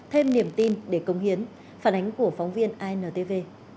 thêm niềm tin để công hiến phản ánh của phóng viên intv